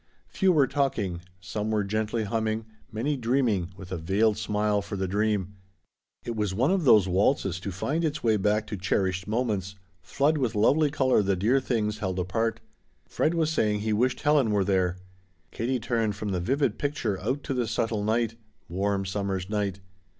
Few were talking; some were gently humming, many dreaming with a veiled smile for the dream. It was one of those waltzes to find its way back to cherished moments, flood with lovely color the dear things held apart. Fred was saying he wished Helen were there. Katie turned from the vivid picture out to the subtle night warm summer's night.